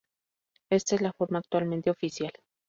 Esta es la forma actualmente oficial.